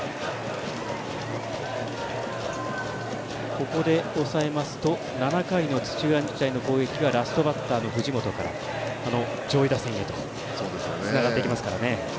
ここで抑えますと７回の土浦日大の攻撃がラストバッターの藤本から上位打線へとつながっていきますから。